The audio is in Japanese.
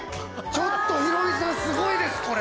ちょっとヒロミさんすごいですこれ！